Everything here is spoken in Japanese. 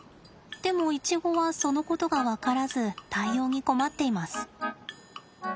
でもイチゴはそのことが分からず対応に困っています。